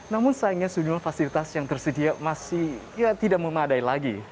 namun sayangnya sejumlah fasilitas yang tersedia masih tidak memadai lagi